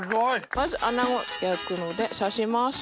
まずアナゴ焼くので刺します。